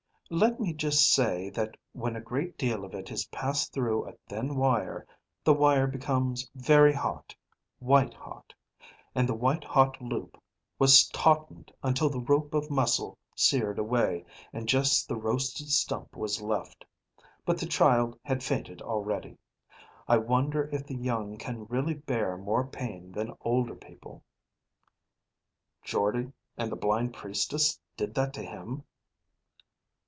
"Let me just say that when a great deal of it is passed through a thin wire, the wire becomes very hot, white hot. And the white hot loop was tautened until the rope of muscle seared away and just the roasted stump was left. But the child had fainted already. I wonder if the young can really bear more pain than older people." "Jordde and the blind priestess did that to him?"